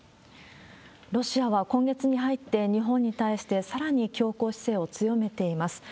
ロシアは今月に入って、日本に対してさらに強硬姿勢を強めています。